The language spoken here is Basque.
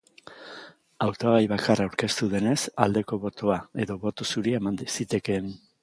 Hautagai bakarra aurkeztu denez, aldeko botoa edo boto zuria eman zitekeen.